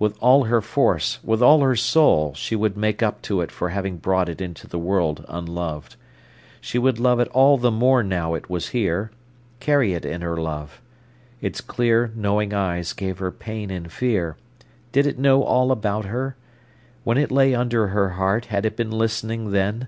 With all her force, with all her soul she would make up to it for having brought it into the world unloved. She would love it all the more now it was here; carry it in her love. Its clear, knowing eyes gave her pain and fear. Did it know all about her? When it lay under her heart, had it been listening then?